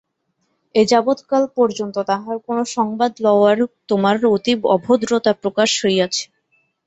এযাবৎকাল পর্যন্ত তাঁহার কোন সংবাদ লওয়ায় তোমার অতি অভদ্রতা প্রকাশ হইয়াছে।